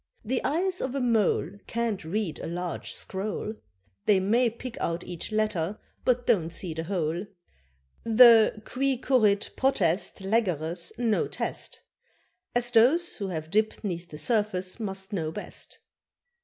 The eyes of a mole Can't read a large scroll; They may pick out each letter, but don't see the whole. The qui currit potest Legere's no test, As those who have dipped 'neath the surface must know best.